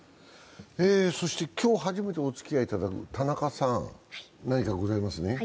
今日初めておつき合いいただく田中さん、何かございますね。